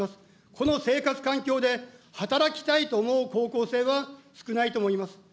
この生活環境で働きたいと思う高校生は少ないと思います。